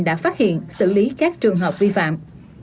đã phát hiện xử lý các trường hợp vi phạm